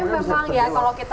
memang ya kalau kita